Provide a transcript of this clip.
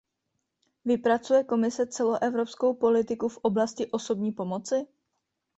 Vypracuje Komise celoevropskou politiku v oblasti osobní pomoci?